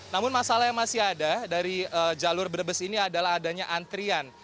namun masalah yang masih ada dari jalur brebes ini adalah adanya antrian